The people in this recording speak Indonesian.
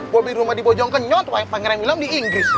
bobby rumah di bojongkenyot pangeran william di inggris